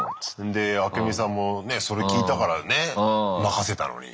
でアケミさんもねそれ聞いたからね任せたのに。